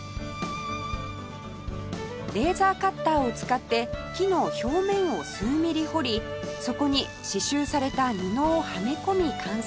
レーザーカッターを使って木の表面を数ミリ彫りそこに刺繍された布をはめ込み完成させます